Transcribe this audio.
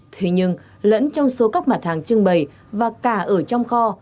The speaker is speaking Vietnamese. thế nhưng lẫn trong số các mặt hàng trưng bày và cả ở trong kho